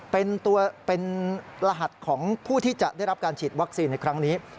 เป็นตัวเป็นรหัสของผู้ที่จะได้รับการฉีดวัคซีนในครั้งนี้